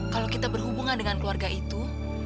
kamu gak mau